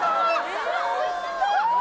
うわっおいしそう！